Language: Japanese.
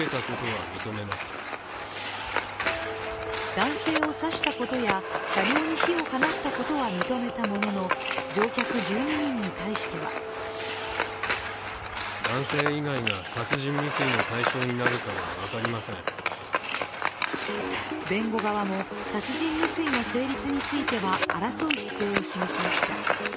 男性を刺したことや車両に火を放ったことは認めたものの乗客１２人に対しては弁護側も殺人未遂の成立については争う姿勢を示しました。